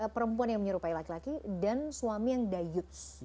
perempuan yang menyerupai laki laki dan suami yang dayuts